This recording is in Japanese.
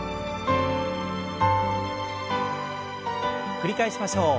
繰り返しましょう。